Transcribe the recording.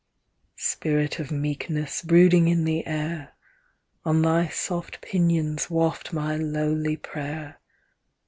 Spirit of meekness brooding in the air, On thy soft pinions waft my lowly prayer.